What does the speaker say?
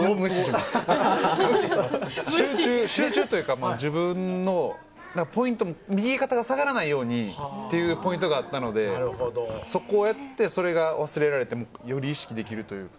集中というか、自分のポイント、見え方が下がらないようにというポイントがあったので、それが忘れられて、意識できるというか。